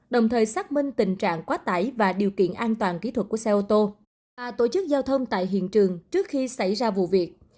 đồng thời xác minh tình trạng quá tải và điều kiện an toàn kỹ thuật của xe ô tô tổ chức giao thông tại hiện trường trước khi xảy ra vụ việc